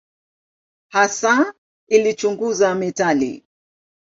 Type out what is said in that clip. Hasa alichunguza metali.